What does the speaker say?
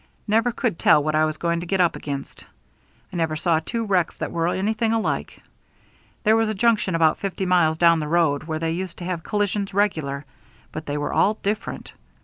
Never could tell what I was going to get up against. I never saw two wrecks that were anything alike. There was a junction about fifty miles down the road where they used to have collisions regular; but they were all different.